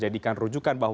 yang keempat sumatera utara